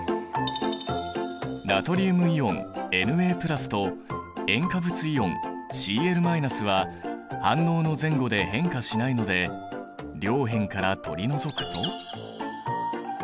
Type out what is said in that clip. ナトリウムイオンＮａと塩化物イオンＣｌは反応の前後で変化しないので両辺から取り除くと。